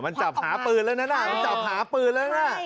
มันจับหาปืนแล้วนะมันจับหาปืนแล้วนะ